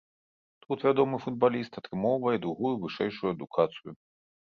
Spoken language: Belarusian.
Тут вядомы футбаліст атрымоўвае другую вышэйшую адукацыю.